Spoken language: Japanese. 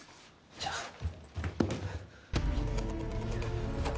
じゃあ。